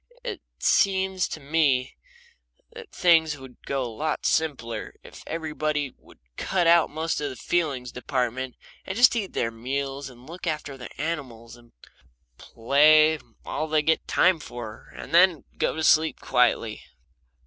It seems to me that things would go a lot simpler if everybody would cut out most of the feelings department, and just eat their meals and look after their animals and play all they get time for, and then go to sleep quietly.